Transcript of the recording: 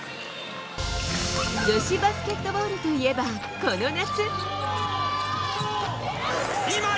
女子バスケットボールといえばこの夏。